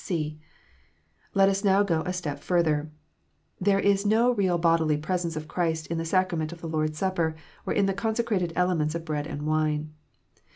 (c) Let us now go a step further. There is no real bodily presence of Christ in the sacrament of the Lord s Supper or in the consecrated elements of bread and wine.